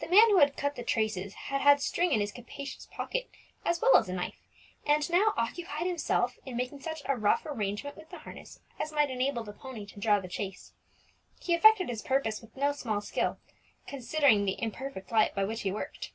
The man who had cut the traces had had string in his capacious pocket as well as a knife, and now occupied himself in making such a rough arrangement with the harness as might enable the pony to draw the chaise. He effected his purpose with no small skill; considering the imperfect light by which he worked.